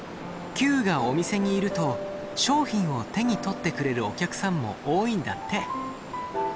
キュウがお店にいると商品を手に取ってくれるお客さんも多いんだって。